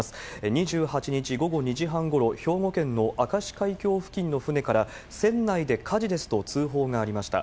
２８日午後２時半ごろ、兵庫県の明石海峡付近の船から船内で火事ですと通報がありました。